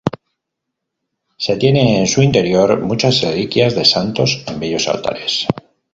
Se tiene en su interior muchas reliquias de santos, en bellos altares.